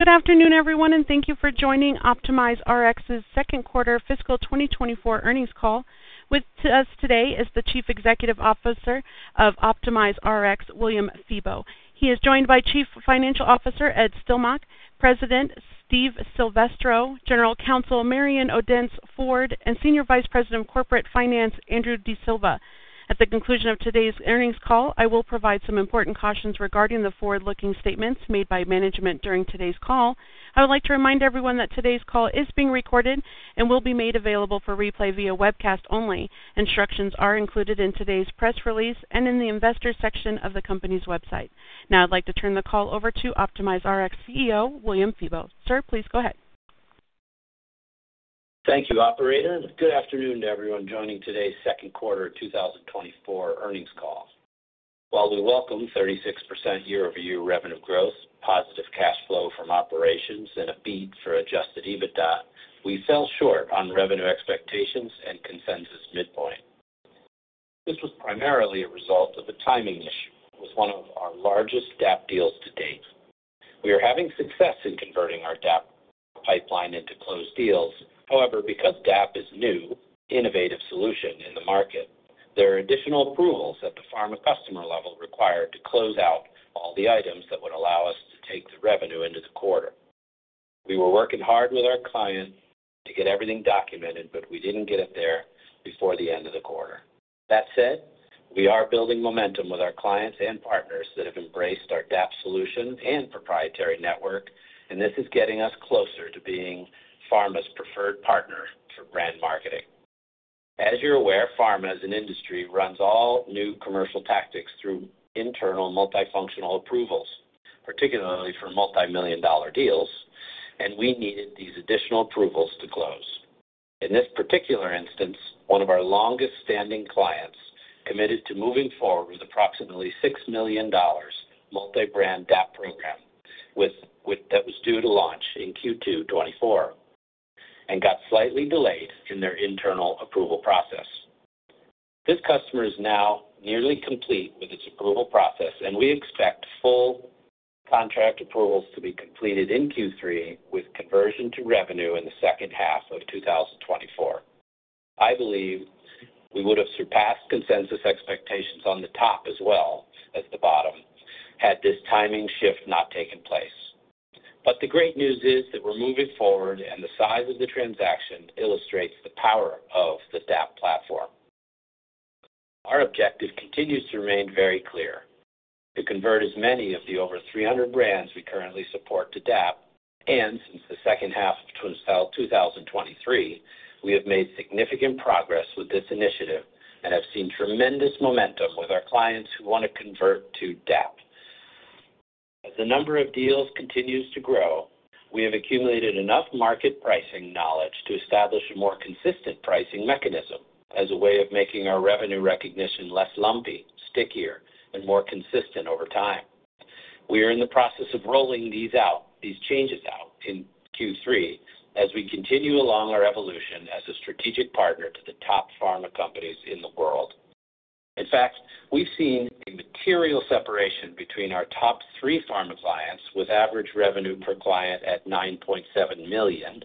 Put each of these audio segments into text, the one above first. Good afternoon, everyone, and thank you for joining OptimizeRx's second quarter fiscal 2024 earnings call. With us today is the Chief Executive Officer of OptimizeRx, William Febbo. He is joined by Chief Financial Officer, Ed Stelmakh, President Steve Silvestro, General Counsel Marion Odence-Ford, and Senior Vice President of Corporate Finance, Andrew D'Silva. At the conclusion of today's earnings call, I will provide some important cautions regarding the forward-looking statements made by management during today's call. I would like to remind everyone that today's call is being recorded and will be made available for replay via webcast only. Instructions are included in today's press release and in the investors section of the company's website. Now I'd like to turn the call over to OptimizeRx CEO, William Febbo. Sir, please go ahead. Thank you, operator. Good afternoon to everyone joining today's second quarter 2024 earnings call. While we welcome 36% year-over-year revenue growth, positive cash flow from operations and a beat for Adjusted EBITDA, we fell short on revenue expectations and consensus midpoint. This was primarily a result of a timing issue with one of our largest DAAP deals to date. We are having success in converting our DAAP pipeline into closed deals. However, because DAAP is new, innovative solution in the market, there are additional approvals at the pharma customer level required to close out all the items that would allow us to take the revenue into the quarter. We were working hard with our clients to get everything documented, but we didn't get it there before the end of the quarter. That said, we are building momentum with our clients and partners that have embraced our DAAP solution and proprietary network, and this is getting us closer to being pharma's preferred partner for brand marketing. As you're aware, pharma as an industry, runs all new commercial tactics through internal multifunctional approvals, particularly for multi-million dollar deals, and we needed these additional approvals to close. In this particular instance, one of our longest standing clients committed to moving forward with approximately $6 million multi-brand DAAP program that was due to launch in Q2 2024 and got slightly delayed in their internal approval process. This customer is now nearly complete with its approval process, and we expect full contract approvals to be completed in Q3 with conversion to revenue in the second half of 2024. I believe we would have surpassed consensus expectations on the top as well as the bottom, had this timing shift not taken place. But the great news is that we're moving forward and the size of the transaction illustrates the power of the DAAP platform. Our objective continues to remain very clear: to convert as many of the over 300 brands we currently support to DAAP, and since the second half of 2023, we have made significant progress with this initiative and have seen tremendous momentum with our clients who want to convert to DAAP. As the number of deals continues to grow, we have accumulated enough market pricing knowledge to establish a more consistent pricing mechanism as a way of making our revenue recognition less lumpy, stickier, and more consistent over time. We are in the process of rolling these out, these changes out in Q3 as we continue along our evolution as a strategic partner to the top pharma companies in the world. In fact, we've seen a material separation between our top three pharma clients, with average revenue per client at $9.7 million,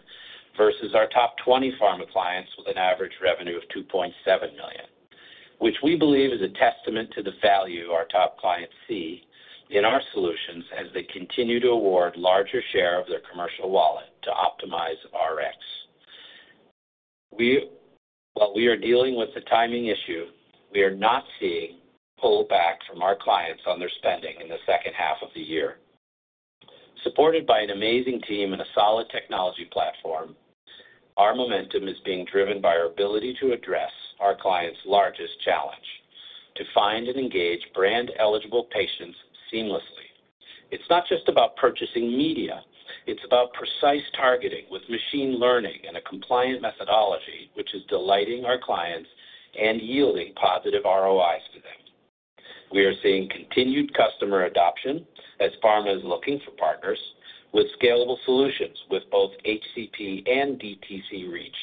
versus our top 20 pharma clients with an average revenue of $2.7 million, which we believe is a testament to the value our top clients see in our solutions as they continue to award larger share of their commercial wallet to OptimizeRx. We. While we are dealing with the timing issue, we are not seeing pullbacks from our clients on their spending in the second half of the year. Supported by an amazing team and a solid technology platform, our momentum is being driven by our ability to address our clients' largest challenge: to find and engage brand-eligible patients seamlessly. It's not just about purchasing media, it's about precise targeting with machine learning and a compliant methodology, which is delighting our clients and yielding positive ROIs to them. We are seeing continued customer adoption as pharma is looking for partners with scalable solutions with both HCP and DTC reach,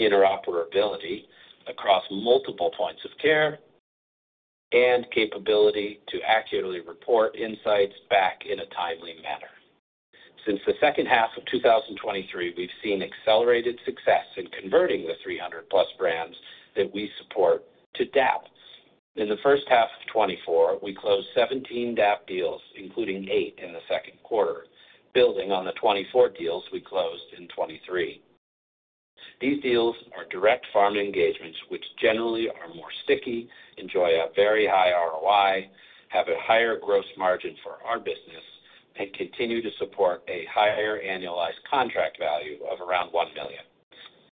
interoperability across multiple points of care, and capability to accurately report insights back in a timely manner. Since the second half of 2023, we've seen accelerated success in converting the 300+ brands that we support to DAAP. In the first half of 2024, we closed 17 DAAP deals, including eight in the second quarter, building on the 24 deals we closed in 2023. These deals are direct pharma engagements, which generally are more sticky, enjoy a very high ROI, have a higher gross margin for our business, and continue to support a higher annualized contract value of around $1 million.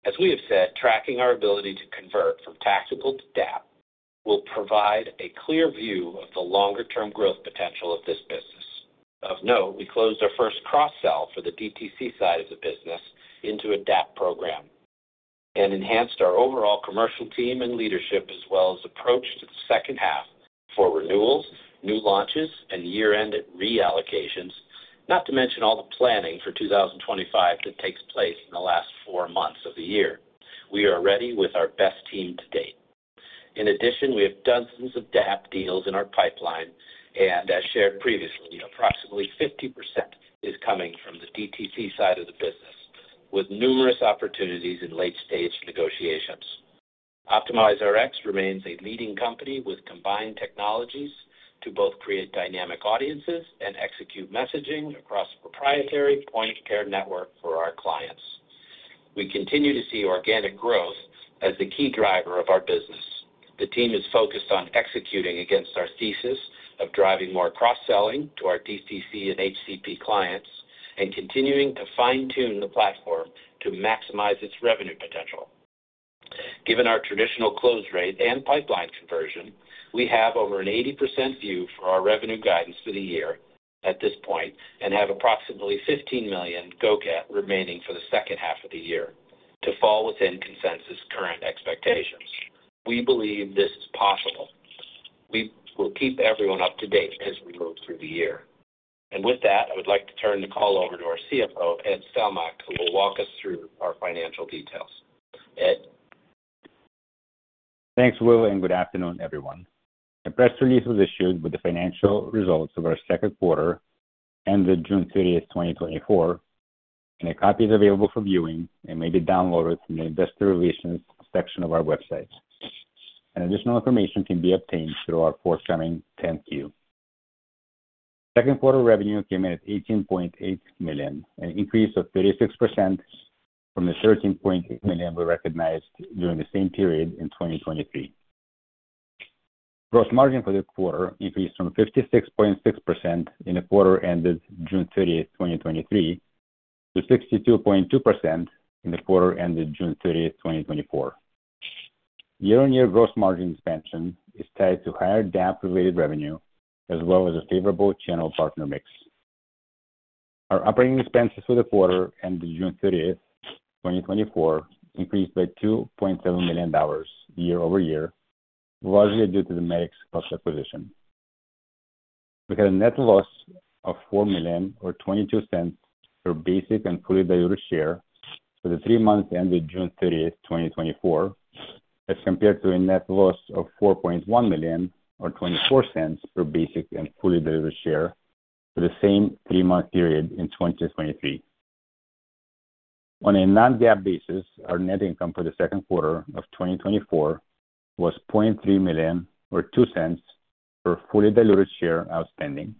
As we have said, tracking our ability to convert from tactical to DAAP will provide a clear view of the longer term growth potential of this business. Of note, we closed our first cross-sell for the DTC side of the business into a DAAP program and enhanced our overall commercial team and leadership, as well as approach to the second half for renewals, new launches, and year-end reallocations. Not to mention all the planning for 2025 that takes place in the last four months of the year. We are ready with our best team to date.... In addition, we have dozens of DAAP deals in our pipeline, and as shared previously, approximately 50% is coming from the DTC side of the business, with numerous opportunities in late-stage negotiations. OptimizeRx remains a leading company with combined technologies to both create dynamic audiences and execute messaging across the proprietary point of care network for our clients. We continue to see organic growth as the key driver of our business. The team is focused on executing against our thesis of driving more cross-selling to our DTC and HCP clients and continuing to fine-tune the platform to maximize its revenue potential. Given our traditional close rate and pipeline conversion, we have over an 80% view for our revenue guidance for the year at this point and have approximately $15 million go-get remaining for the second half of the year to fall within consensus current expectations. We believe this is possible. We will keep everyone up to date as we move through the year. With that, I would like to turn the call over to our CFO, Ed Stelmakh, who will walk us through our financial details. Ed? Thanks, Will, and good afternoon, everyone. A press release was issued with the financial results of our second quarter, ended June 30, 2024, and a copy is available for viewing and may be downloaded from the investor relations section of our website. Additional information can be obtained through our forthcoming 10-Q. Second quarter revenue came in at $18.8 million, an increase of 36% from the $13.8 million we recognized during the same period in 2023. Gross margin for the quarter increased from 56.6% in the quarter ended June 30, 2023, to 62.2% in the quarter ended June 30, 2024. Year-on-year gross margin expansion is tied to higher DAAP-related revenue as well as a favorable channel partner mix. Our operating expenses for the quarter ended June 30, 2024, increased by $2.7 million year-over-year, largely due to the Medicx cost acquisition. We had a net loss of $4 million, or $0.22 per basic and fully diluted share for the three months ended June 30, 2024, as compared to a net loss of $4.1 million or $0.24 per basic and fully diluted share for the same three-month period in 2023. On a non-GAAP basis, our net income for the second quarter of 2024 was $0.3 million or $0.2 per fully diluted share outstanding,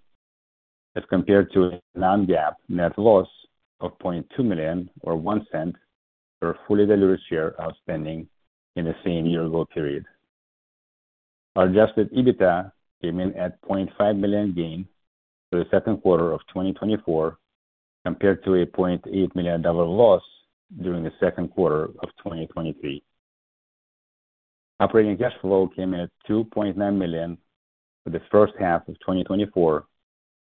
as compared to a non-GAAP net loss of $0.2 million or $0.1 per fully diluted share outstanding in the same year-ago period. Our Adjusted EBITDA came in at $0.5 million gain for the second quarter of 2024, compared to a $0.8 million loss during the second quarter of 2023. Operating cash flow came in at $2.9 million for the first half of 2024,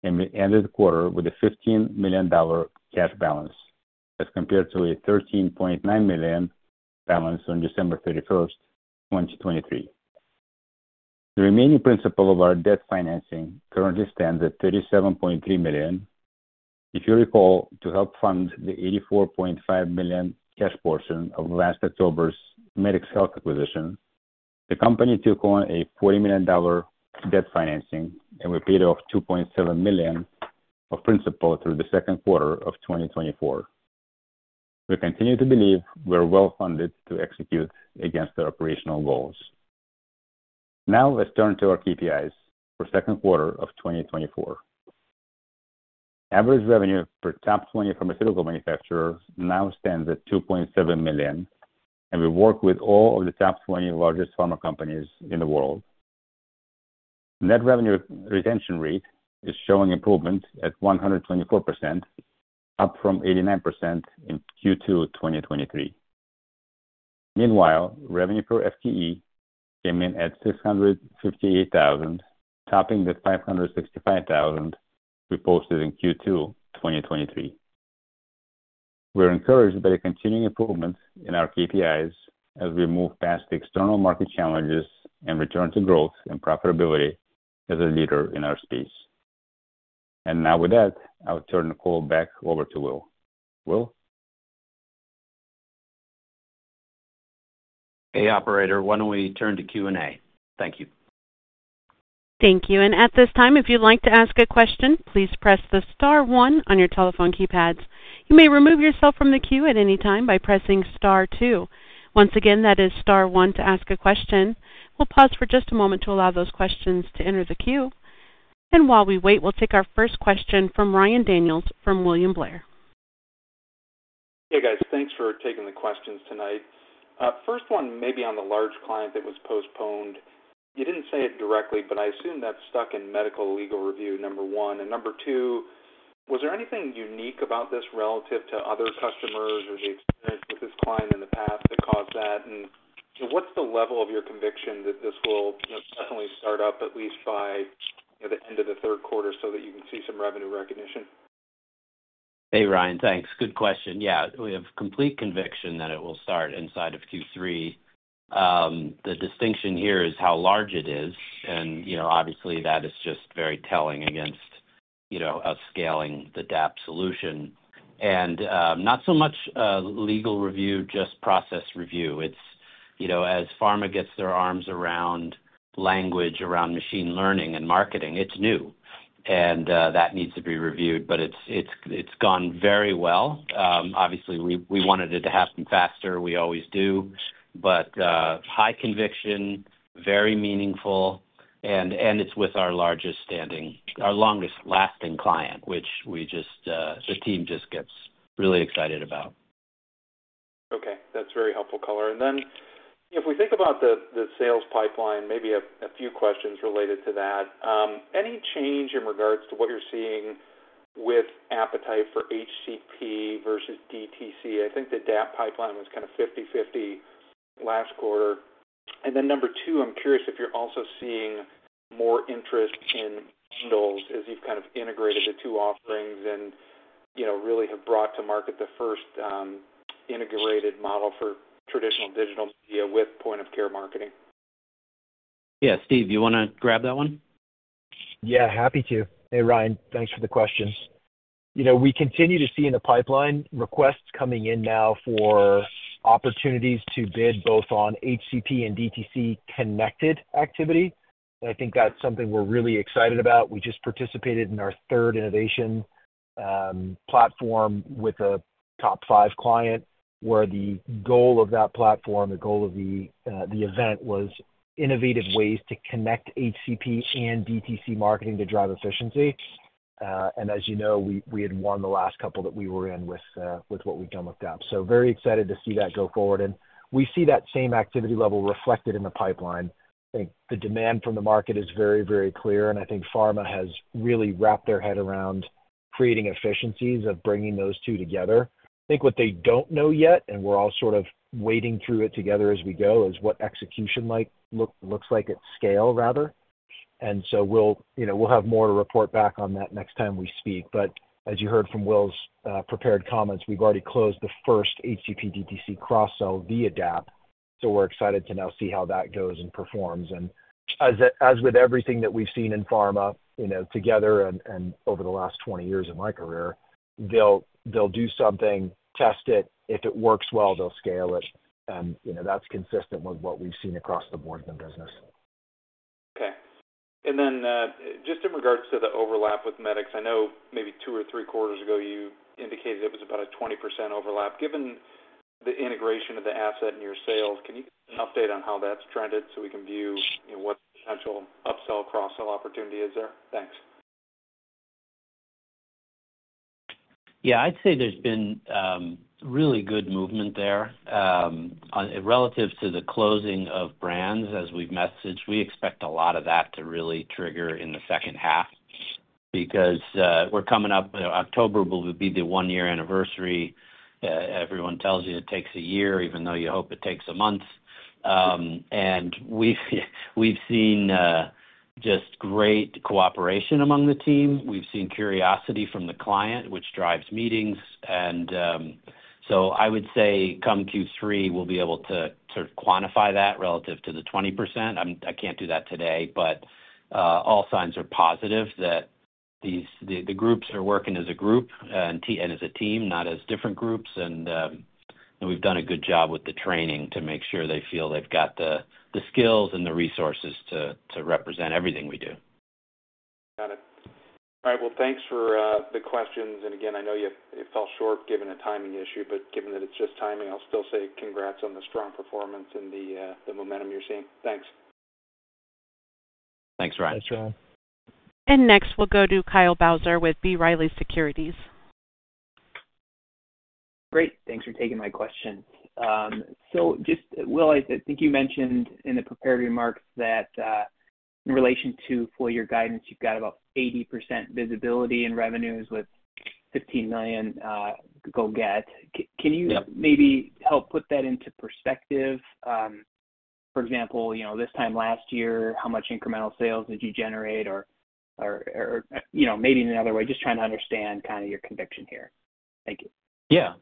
and we ended the quarter with a $15 million cash balance, as compared to a $13.9 million balance on December 31, 2023. The remaining principal of our debt financing currently stands at $37.3 million. If you recall, to help fund the $84.5 million cash portion of last October's Medicx Health acquisition, the company took on a $40 million debt financing and repaid off $2.7 million of principal through the second quarter of 2024. We continue to believe we're well-funded to execute against our operational goals. Now, let's turn to our KPIs for second quarter of 2024. Average revenue per top 20 pharmaceutical manufacturer now stands at $2.7 million, and we work with all of the top 20 largest pharma companies in the world. Net revenue retention rate is showing improvement at 124%, up from 89% in Q2 2023. Meanwhile, revenue per FTE came in at $658,000, topping the $565,000 we posted in Q2 2023. We're encouraged by the continuing improvement in our KPIs as we move past the external market challenges and return to growth and profitability as a leader in our space. And now with that, I'll turn the call back over to Will. Will? Hey, operator, why don't we turn to Q&A? Thank you. Thank you. At this time, if you'd like to ask a question, please press star one on your telephone keypads. You may remove yourself from the queue at any time by pressing star two. Once again, that is star one to ask a question. We'll pause for just a moment to allow those questions to enter the queue. While we wait, we'll take our first question from Ryan Daniels from William Blair. Hey, guys. Thanks for taking the questions tonight. First one may be on the large client that was postponed. You didn't say it directly, but I assume that's stuck in medical legal review, number one. And number two, was there anything unique about this relative to other customers or the experience with this client in the past that caused that? And what's the level of your conviction that this will definitely start up at least by the end of the third quarter so that you can see some revenue recognition? Hey, Ryan. Thanks. Good question. Yeah, we have complete conviction that it will start inside of Q3. The distinction here is how large it is, and, you know, obviously, that is just very telling of scaling the DAAP solution. And, not so much legal review, just process review. It's, you know, as pharma gets their arms around language, around machine learning and marketing, it's new, and that needs to be reviewed, but it's gone very well. Obviously, we wanted it to happen faster. We always do. But high conviction, very meaningful, and it's with our longest-lasting client, which the team just gets really excited about. Okay, that's very helpful color. And then if we think about the sales pipeline, maybe a few questions related to that. Any change in regards to what you're seeing with appetite for HCP versus DTC? I think the DAAP pipeline was kind of 50/50 last quarter. And then number two, I'm curious if you're also seeing more interest in deals as you've kind of integrated the two offerings and, you know, really have brought to market the first integrated model for traditional digital media with point-of-care marketing. Yeah, Steve, you wanna grab that one? Yeah, happy to. Hey, Ryan, thanks for the questions. You know, we continue to see in the pipeline requests coming in now for opportunities to bid both on HCP and DTC connected activity. And I think that's something we're really excited about. We just participated in our third innovation platform with a top five client, where the goal of that platform, the goal of the event, was innovative ways to connect HCP and DTC marketing to drive efficiency. And as you know, we had won the last couple that we were in with what we've done with DAAP. So very excited to see that go forward. And we see that same activity level reflected in the pipeline. I think the demand from the market is very, very clear, and I think pharma has really wrapped their head around creating efficiencies of bringing those two together. I think what they don't know yet, and we're all sort of wading through it together as we go, is what execution looks like at scale, rather. And so we'll, you know, we'll have more to report back on that next time we speak. But as you heard from Will's prepared comments, we've already closed the first HCP-DTC cross-sell via DAAP, so we're excited to now see how that goes and performs. And as, as with everything that we've seen in pharma, you know, together and, and over the last 20 years in my career, they'll, they'll do something, test it. If it works well, they'll scale it. You know, that's consistent with what we've seen across the board in the business. Okay. Then, just in regards to the overlap with Medicx, I know maybe two or three quarters ago, you indicated it was about a 20% overlap. Given the integration of the asset in your sales, can you give us an update on how that's trended so we can view, you know, what potential upsell, cross-sell opportunity is there? Thanks. Yeah, I'd say there's been really good movement there. On relative to the closing of brands, as we've messaged, we expect a lot of that to really trigger in the second half because we're coming up, you know, October will be the one-year anniversary. Everyone tells you it takes a year, even though you hope it takes a month. And we've seen just great cooperation among the team. We've seen curiosity from the client, which drives meetings, and so I would say, come Q3, we'll be able to sort of quantify that relative to the 20%. I can't do that today, but all signs are positive that these the groups are working as a group and as a team, not as different groups. And we've done a good job with the training to make sure they feel they've got the skills and the resources to represent everything we do. Got it. All right. Well, thanks for the questions. And again, I know you, it fell short given a timing issue, but given that it's just timing, I'll still say congrats on the strong performance and the momentum you're seeing. Thanks. Thanks, Ryan. Thanks, Ryan. Next, we'll go to Kyle Bauser with B. Riley Securities. Great, thanks for taking my question. So just, Will, I think you mentioned in the prepared remarks that, in relation to full year guidance, you've got about 80% visibility in revenues with $15 million go-get. Yep. Can you maybe help put that into perspective? For example, you know, this time last year, how much incremental sales did you generate? Or, you know, maybe in another way, just trying to understand kind of your conviction here. Thank you. Yeah.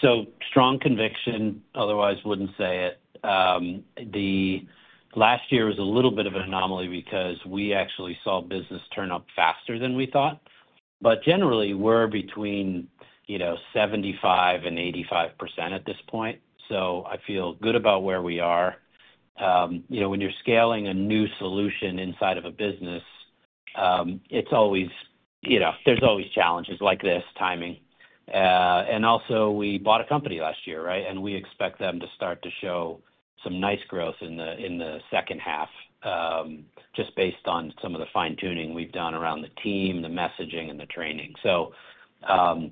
So strong conviction, otherwise wouldn't say it. The last year was a little bit of an anomaly because we actually saw business turn up faster than we thought. But generally, we're between, you know, 75% and 85% at this point, so I feel good about where we are. You know, when you're scaling a new solution inside of a business, it's always, you know, there's always challenges like this: timing. And also, we bought a company last year, right? And we expect them to start to show some nice growth in the second half, just based on some of the fine-tuning we've done around the team, the messaging, and the training. So,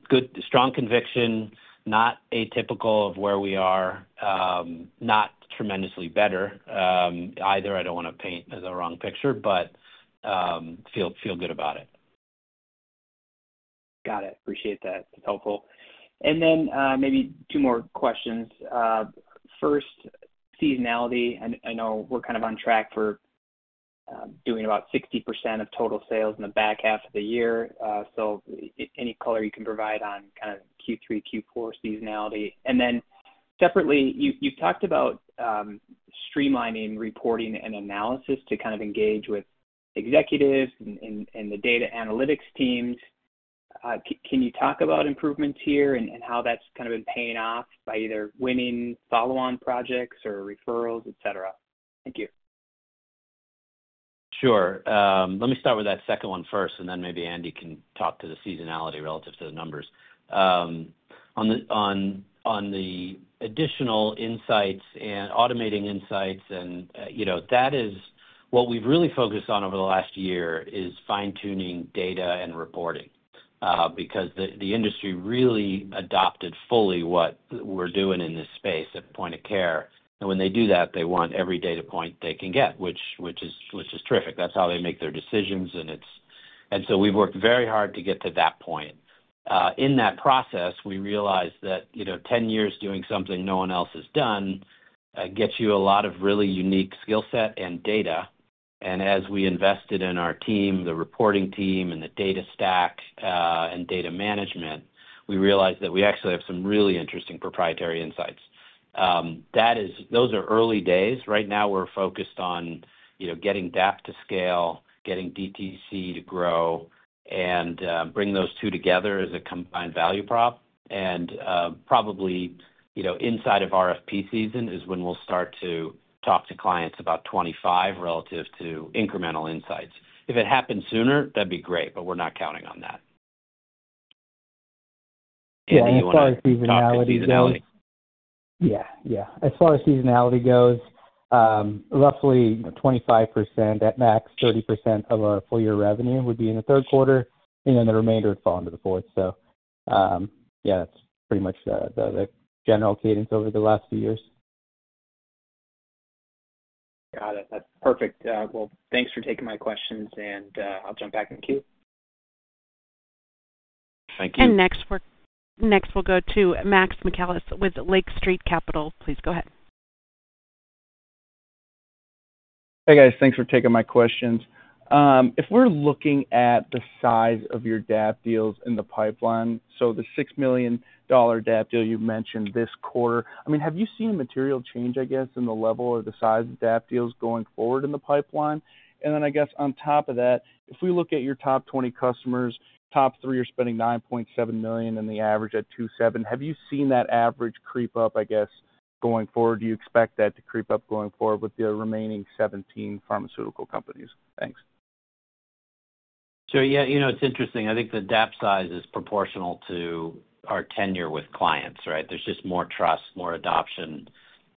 good, strong conviction, not atypical of where we are, not tremendously better, either. I don't wanna paint the wrong picture, but feel good about it. Got it. Appreciate that. That's helpful. And then, maybe two more questions. First, seasonality. I know we're kind of on track for doing about 60% of total sales in the back half of the year. So any color you can provide on kind of Q3, Q4 seasonality? And then separately, you've talked about streamlining reporting and analysis to kind of engage with executives and the data analytics teams. Can you talk about improvements here and how that's kind of been paying off by either winning follow-on projects or referrals, et cetera? Thank you. Sure. Let me start with that second one first, and then maybe Andy can talk to the seasonality relative to the numbers. On the additional insights and automating insights and, you know, that is what we've really focused on over the last year, is fine-tuning data and reporting, because the industry really adopted fully what we're doing in this space at point of care. And when they do that, they want every data point they can get, which is terrific. That's how they make their decisions, and it's, and so we've worked very hard to get to that point. In that process, we realized that, you know, 10 years doing something no one else has done, gets you a lot of really unique skill set and data. As we invested in our team, the reporting team and the data stack, and data management, we realized that we actually have some really interesting proprietary insights. That is, those are early days. Right now, we're focused on, you know, getting DAAP to scale, getting DTC to grow and, bring those two together as a combined value prop. Probably, you know, inside of RFP season is when we'll start to talk to clients about 25 relative to incremental insights. If it happens sooner, that'd be great, but we're not counting on that. Andy, you want to talk to seasonality? Yeah, yeah. As far as seasonality goes, roughly 25%, at max, 30% of our full year revenue would be in the third quarter, and then the remainder would fall into the fourth. So, yeah, that's pretty much the general cadence over the last few years. Got it. That's perfect. Well, thanks for taking my questions, and I'll jump back in the queue. Thank you. Next, we'll go to Max Michaelis with Lake Street Capital. Please go ahead. Hey, guys. Thanks for taking my questions. If we're looking at the size of your DAAP deals in the pipeline, so the $6 million DAAP deal you mentioned this quarter, I mean, have you seen a material change, I guess, in the level or the size of DAAP deals going forward in the pipeline? And then I guess on top of that, if we look at your top 20 customers, top three are spending $9.7 million and the average at $2.7 million. Have you seen that average creep up, I guess, going forward? Do you expect that to creep up going forward with the remaining 17 pharmaceutical companies? Thanks. So yeah, you know, it's interesting. I think the DAAP size is proportional to our tenure with clients, right? There's just more trust, more adoption,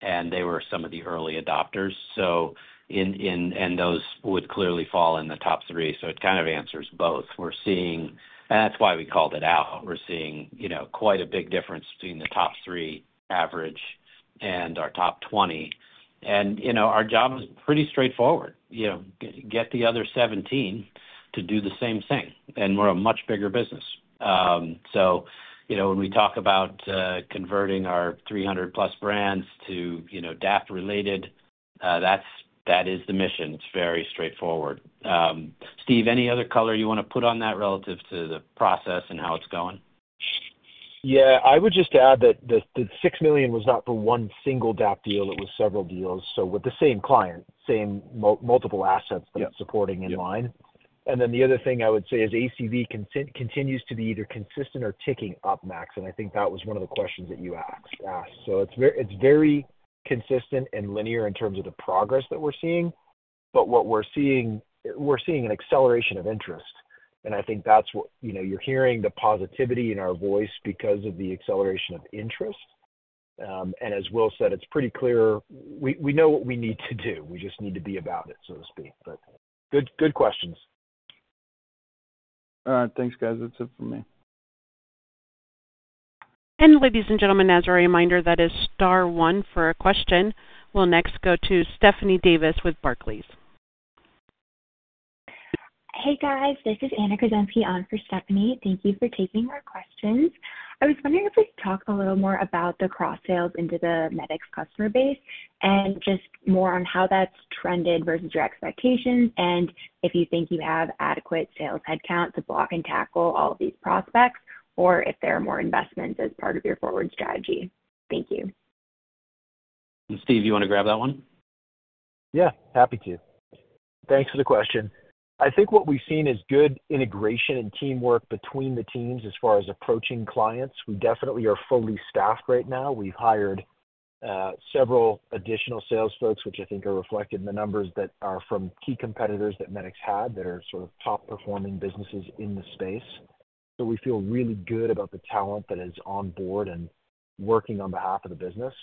and they were some of the early adopters. So, in, and those would clearly fall in the top three. So it kind of answers both. We're seeing, and that's why we called it out. We're seeing, you know, quite a big difference between the top three average and our top 20. And, you know, our job is pretty straightforward. You know, get the other 17 to do the same thing, and we're a much bigger business. So, you know, when we talk about converting our 300+ brands to, you know, DAAP-related, that is the mission. It's very straightforward. Steve, any other color you want to put on that relative to the process and how it's going? Yeah, I would just add that the $6 million was not for one single DAAP deal, it was several deals. So with the same client, same multiple assets that it's supporting in line. Yep. And then the other thing I would say is ACV continues to be either consistent or ticking up, Max, and I think that was one of the questions that you asked. So it's very consistent and linear in terms of the progress that we're seeing. But what we're seeing, we're seeing an acceleration of interest, and I think that's what, You know, you're hearing the positivity in our voice because of the acceleration of interest. And as Will said, it's pretty clear, we know what we need to do. We just need to be about it, so to speak. But good questions. All right, thanks, guys. That's it for me. Ladies and gentlemen, as a reminder, that is star one for a question. We'll next go to Stephanie Davis with Barclays. Hey, guys, this is Anna Kruszenski on for Stephanie. Thank you for taking our questions. I was wondering if we could talk a little more about the cross sales into the Medicx customer base, and just more on how that's trended versus your expectations, and if you think you have adequate sales headcount to block and tackle all of these prospects, or if there are more investments as part of your forward strategy. Thank you. Steve, you want to grab that one? Yeah, happy to. Thanks for the question. I think what we've seen is good integration and teamwork between the teams as far as approaching clients. We definitely are fully staffed right now. We've hired several additional sales folks, which I think are reflected in the numbers, that are from key competitors that Medicx had, that are sort of top-performing businesses in the space. So we feel really good about the talent that is on board and working on behalf of the business.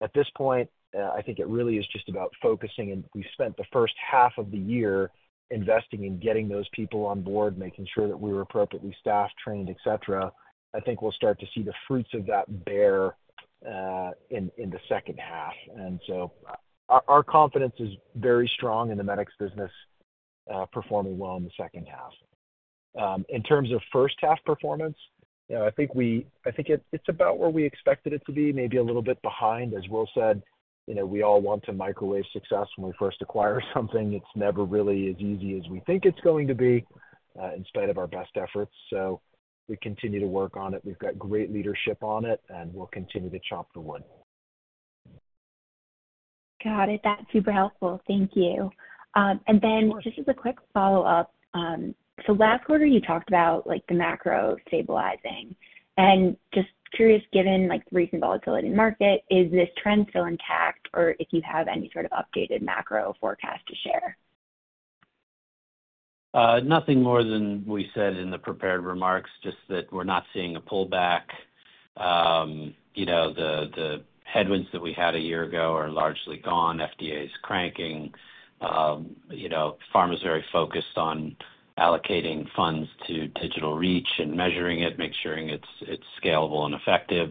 At this point, I think it really is just about focusing, and we spent the first half of the year investing in getting those people on board, making sure that we were appropriately staffed, trained, etc. I think we'll start to see the fruits of that bear fruit in the second half. And so our confidence is very strong in the Medicx business performing well in the second half. In terms of first half performance, you know, I think it, it's about where we expected it to be, maybe a little bit behind, as Will said. You know, we all want to microwave success when we first acquire something. It's never really as easy as we think it's going to be, in spite of our best efforts. So we continue to work on it. We've got great leadership on it, and we'll continue to chop the wood. Got it. That's super helpful. Thank you. And then. Of course. Just as a quick follow-up, so last quarter, you talked about, like, the macro stabilizing. And just curious, given, like, the recent volatility in the market, is this trend still intact, or if you have any sort of updated macro forecast to share? Nothing more than we said in the prepared remarks, just that we're not seeing a pullback. You know, the headwinds that we had a year ago are largely gone. FDA is cranking. You know, pharma's very focused on allocating funds to digital reach and measuring it, making sure it's scalable and effective.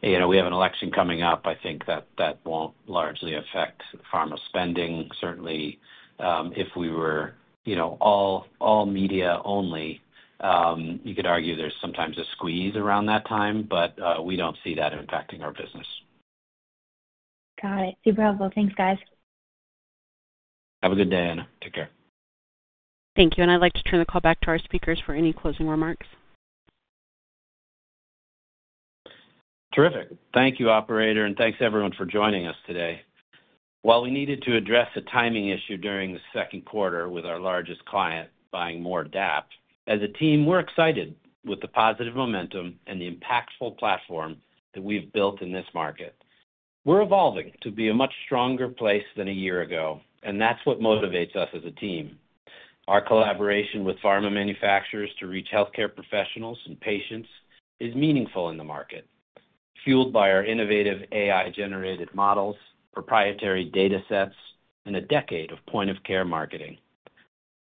You know, we have an election coming up. I think that that won't largely affect pharma spending. Certainly, if we were, you know, all media only, you could argue there's sometimes a squeeze around that time, but we don't see that impacting our business. Got it. Super helpful. Thanks, guys. Have a good day, Anna. Take care. Thank you, and I'd like to turn the call back to our speakers for any closing remarks. Terrific. Thank you, operator, and thanks, everyone, for joining us today. While we needed to address a timing issue during the second quarter with our largest client buying more DAAP, as a team, we're excited with the positive momentum and the impactful platform that we've built in this market. We're evolving to be a much stronger place than a year ago, and that's what motivates us as a team. Our collaboration with pharma manufacturers to reach healthcare professionals and patients is meaningful in the market, fueled by our innovative AI-generated models, proprietary datasets, and a decade of point-of-care marketing.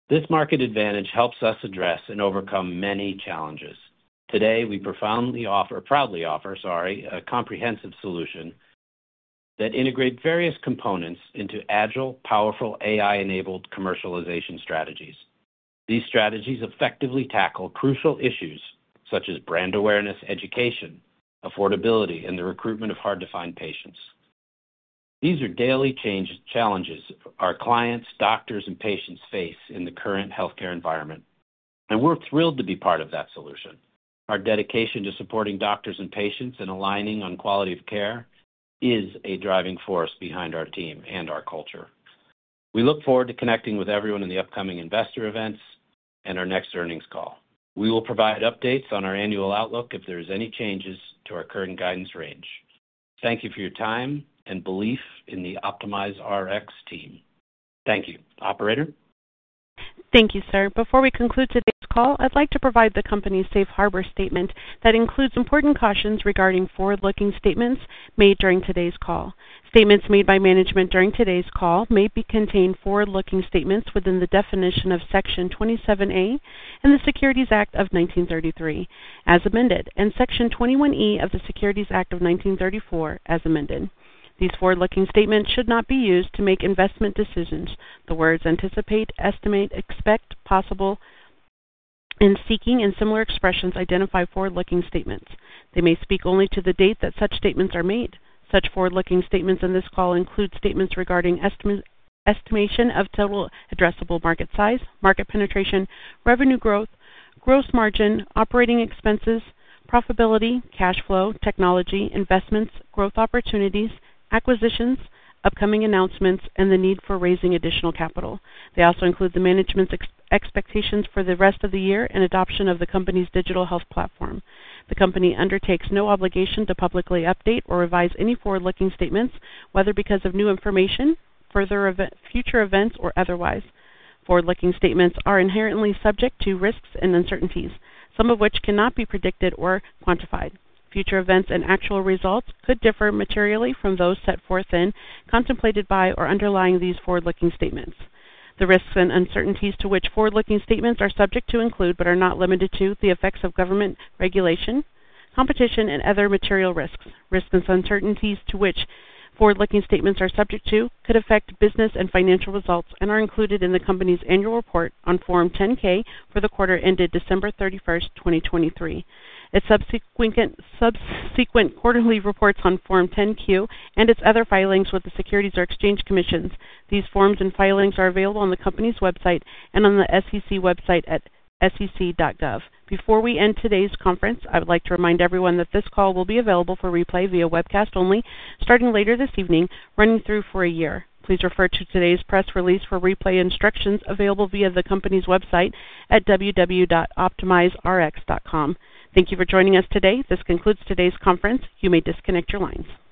This market advantage helps us address and overcome many challenges. Today, we proudly offer a comprehensive solution that integrate various components into agile, powerful, AI-enabled commercialization strategies. These strategies effectively tackle crucial issues such as brand awareness, education, affordability, and the recruitment of hard-to-find patients. These are daily changes, challenges our clients, doctors, and patients face in the current healthcare environment, and we're thrilled to be part of that solution. Our dedication to supporting doctors and patients and aligning on quality of care is a driving force behind our team and our culture. We look forward to connecting with everyone in the upcoming investor events and our next earnings call. We will provide updates on our annual outlook if there is any changes to our current guidance range. Thank you for your time and belief in the OptimizeRx team. Thank you. Operator? Thank you, sir. Before we conclude today's call, I'd like to provide the company's safe harbor statement that includes important cautions regarding forward-looking statements made during today's call. Statements made by management during today's call may be contained forward-looking statements within the definition of Section 27A of the Securities Act of 1933, as amended, and Section 21E of the Securities Exchange Act of 1934, as amended. These forward-looking statements should not be used to make investment decisions. The words "anticipate," "estimate," "expect," "possible," and "seeking," and similar expressions identify forward-looking statements. They may speak only to the date that such statements are made. Such forward-looking statements in this call include statements regarding estimate, estimation of total addressable market size, market penetration, revenue growth, gross margin, operating expenses, profitability, cash flow, technology, investments, growth opportunities, acquisitions, upcoming announcements, and the need for raising additional capital. They also include the management's expectations for the rest of the year and adoption of the company's digital health platform. The company undertakes no obligation to publicly update or revise any forward-looking statements, whether because of new information, future event, future events, or otherwise. Forward-looking statements are inherently subject to risks and uncertainties, some of which cannot be predicted or quantified. Future events and actual results could differ materially from those set forth in, contemplated by, or underlying these forward-looking statements. The risks and uncertainties to which forward-looking statements are subject include, but are not limited to, the effects of government regulation, competition, and other material risks. Risks and uncertainties to which forward-looking statements are subject to could affect business and financial results and are included in the company's annual report on Form 10-K for the quarter ended December 31, 2023, its subsequent quarterly reports on Form 10-Q, and its other filings with the Securities and Exchange Commission. These forms and filings are available on the company's website and on the SEC website at sec.gov. Before we end today's conference, I would like to remind everyone that this call will be available for replay via webcast only, starting later this evening, running through for a year. Please refer to today's press release for replay instructions available via the company's website at www.optimizerx.com. Thank you for joining us today. This concludes today's conference. You may disconnect your lines.